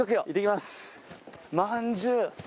まんじゅう。